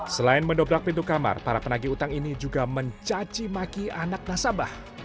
selain mendobrak pintu kamar para penagi utang ini juga mencacimaki anak nasabah